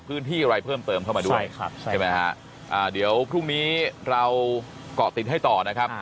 พื้นที่อะไรเพิ่มเติมเข้ามาด้วยเดี๋ยวพรุ่งนี้เราก่อติดให้ต่อนะครับ